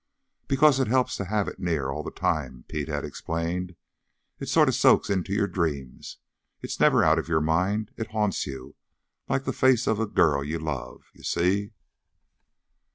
"Because it helps to have it near all the time," Pete had explained. "It sort of soaks into your dreams. It's never out of your mind. It haunts you, like the face of the girl you love. You see!"